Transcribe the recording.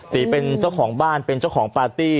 ตรีเป็นเจ้าของบ้านเป็นเจ้าของพลักษณ์